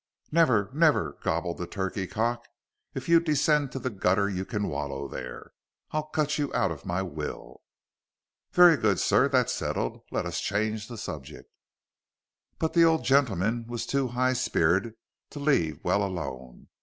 "Never! never!" gobbled the turkey cock. "If you descend to the gutter you can wallow there. I'll cut you out of my will." "Very good, sir, that's settled. Let us change the subject." But the old gentleman was too high spirited to leave well alone.